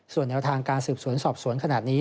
ส่วนแนวทางการสืบสวนสอบสวนขนาดนี้